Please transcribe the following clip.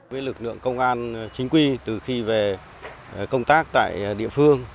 với lực lượng công an chính quy từ khi về công tác tại địa phương